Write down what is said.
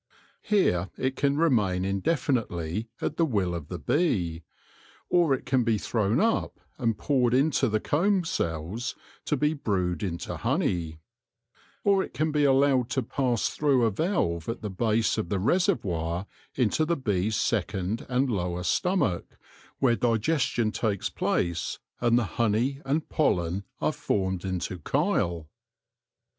Here it can remain indefinitely at the will of the bee ; or it can be thrown up and poured into the comb cells, to be brewed into honey ; or it can be allowed to pass through a valve at the base of the reservoir into the bee's second and lower stomach, where digestion takes place and the honey and pollen are formed into chyle.